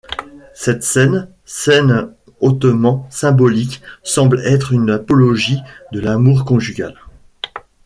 Cette scène scène hautement symbolique semble être une apologie de l'amour conjugal.